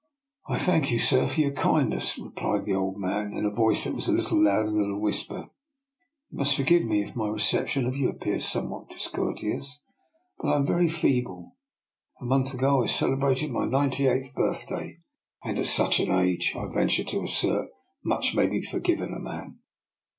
" I thank you, sir, for your kindness," re plied the old man, in a voice that was little louder than a whisper. " You must forgive me if my reception of you appears somewhat discourteous, but I am very feeble. A month ago I celebrated my ninety eighth birthday, and at such an age, I venture to assert, much may be forgiven a man."